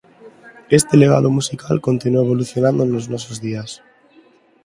Este legado musical continúa evolucionando nos nosos días.